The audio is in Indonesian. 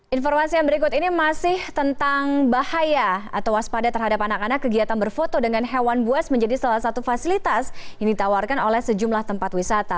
informasi yang berikut ini masih tentang bahaya atau waspada terhadap anak anak kegiatan berfoto dengan hewan buas menjadi salah satu fasilitas yang ditawarkan oleh sejumlah tempat wisata